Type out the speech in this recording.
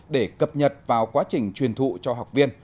để cập nhật vào quá trình truyền thụ cho học viên